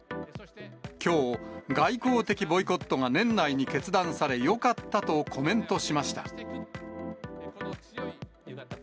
きょう、外交的ボイコットが年内に決断され、よかったとコメントしました。